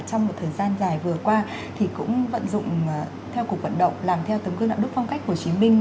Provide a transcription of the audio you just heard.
trong một thời gian dài vừa qua thì cũng vận dụng theo cuộc vận động làm theo tấm gương đạo đức phong cách hồ chí minh